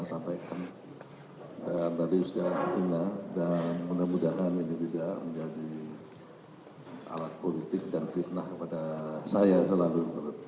apa yang saya sampaikan dari segala kakitangan dan mudah mudahan ini juga menjadi alat politik dan fitnah kepada saya selalu